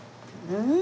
うん！